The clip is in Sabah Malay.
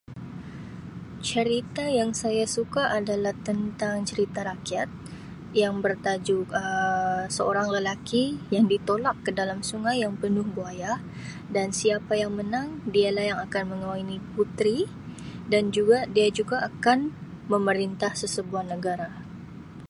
Cerita yang saya suka adalah tentang cerita rakyat yang bertajuk Um seorang lelaki yang ditolak ke dalam sungai yang penuh buaya dan siapa yang menang dia lah yang akan mengahwini puteri dan juga dia juga akan memerintah sesebuah negara.